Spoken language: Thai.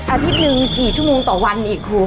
อาทิตย์หนึ่งกี่ชั่วโมงต่อวันอีกครู